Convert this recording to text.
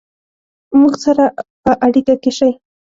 مونږ سره په اړیکه کې شئ